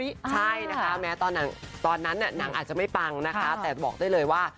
ใช่นะคะแม้ตอนนั้นน่ะนางอาจจะไม่ปังนะคะแต่บอกได้เลยว่า